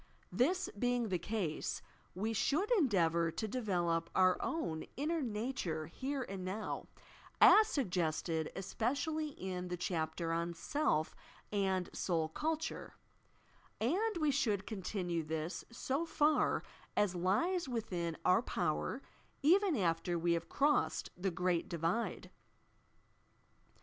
This being the case, we should endeavour to develop our own inner nature here and now, as suggested especially in the chapter on "Self and Soul Culture," and we should con tinue this, 80 far as lies within our power, even after we have crossed the "Great Divide."